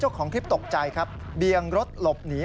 เจ้าของคลิปตกใจครับเบียงรถหลบหนี